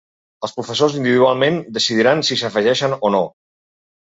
Els professors individualment decidiran si s’hi afegeixen o no.